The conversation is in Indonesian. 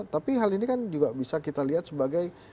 tapi hal ini kan juga bisa kita lihat sebagai